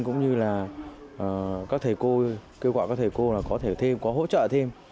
cũng như là các thầy cô kêu gọi các thầy cô có thể thêm có hỗ trợ thêm